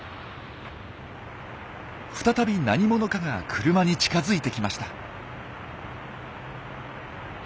再び何者かが車に近づいてきました。